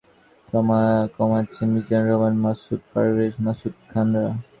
শুধু জাহিদুলই নন, এভাবে ওজন কমাচ্ছেন মিজানুর রহমান, মাসুদ পারভেজ, মাসুম খানরা।